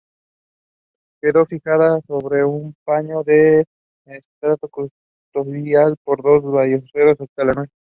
Quedó fijada sobre un paño del estrado custodiada por dos ballesteros hasta la noche.